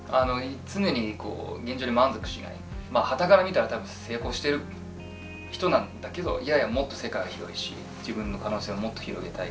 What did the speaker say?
はたから見たら多分成功してる人なんだけどいやいやもっと世界は広いし自分の可能性をもっと広げたい。